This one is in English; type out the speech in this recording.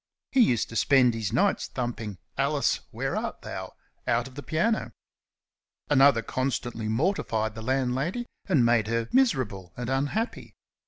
He used to spend his nights thumping "Alice, where art thou?" out of the piano. Another constantly mortified the landlady, and made her miserable and unhappy.